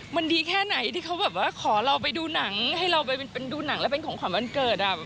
มันดีแค่ไหนที่เขาแบบว่าขอเราไปดูหนังให้เราไปดูหนังแล้วเป็นของขวัญวันเกิด